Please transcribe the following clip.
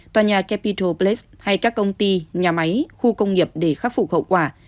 toà nhà capitol place hay các công ty nhà máy khu công nghiệp để khắc phục hậu quả